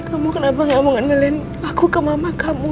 kamu kenapa gak mau nganalin aku ke mama kamu